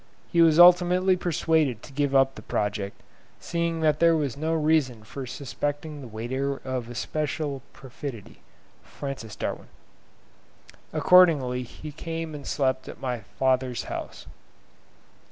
He was ultimately persuaded to give up the project, seeing that there was no reason for suspecting the waiter of especial perfidy.—F.D.) Accordingly he came and slept at my father's house.